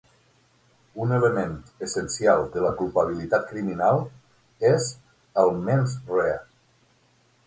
Un element essencial de la culpabilitat criminal és el "mens rea".